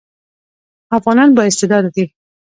افغانان با استعداده دي